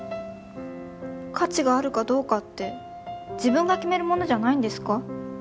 価値があるかどうかって自分が決めるものじゃないんですか？